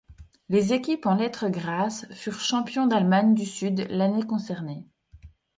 Les équipes en lettres grasses furent Champion d’Allemagne du Sud l’année concernée.